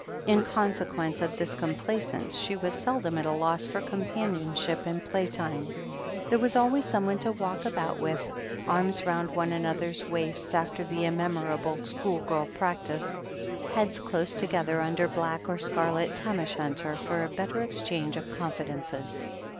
In consequence of this complacence, she was seldom at a loss for Companionship in play time. There was always someone to walk about with, arms round one another's waists after the immemorial schoolgirl practice, heads close together under black or scarlet tam o' shanter, for a better exchange of con fidences.